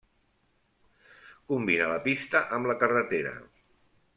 Combina la pista, amb la carretera.